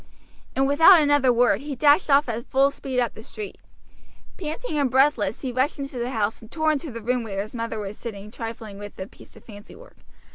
And without another word he dashed off at full speed up the street. Panting and breathless he rushed into the house, and tore into the room where his mother was sitting trifling with a piece of fancy work.